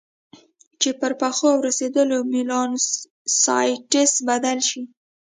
چې پر پخو او رسېدلو میلانوسایټس بدلې شي.